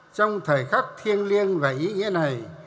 trong thời khắc thiêng liêng và ý nghĩa này